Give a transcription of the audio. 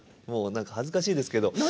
もう何か恥ずかしいですけど。